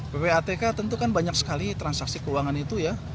ppatk tentu kan banyak sekali transaksi keuangan itu ya